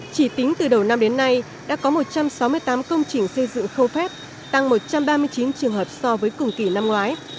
chỉ tính từ đầu năm đến nay đã có một trăm sáu mươi tám công trình xây dựng khâu phép tăng một trăm ba mươi chín trường hợp so với cùng kỳ năm ngoái